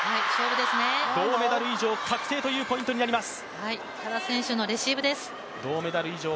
銅メダル以上確定というポイントになります。